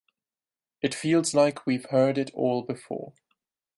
It feels like we’ve heard it all before.